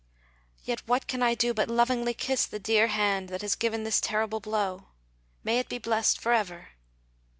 Yet what can I do but lovingly kiss the dear hand that has given this terrible blow? May it be blessed for ever!